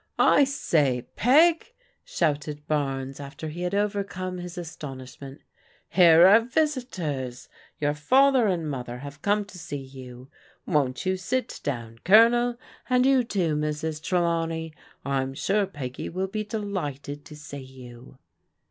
" I say, Peg," shouted Barnes after he had overcome his astonishment, "here are visitors! Your father and mother have come to see you. Won't you sit down, Colonel? And you, too, Mrs. Trelawney. Vm sure Peggy will be delighted to see you."